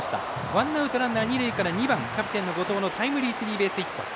ワンアウト、ランナー、二塁から２番、キャプテンの後藤のタイムリースリーベースヒット。